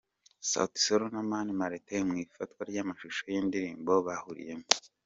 Sauti Sol na Mani Martin mu ifatwa ry'amashusho y'indirimbo bahuriyemo.